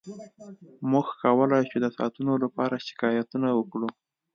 موږ کولی شو د ساعتونو لپاره شکایتونه وکړو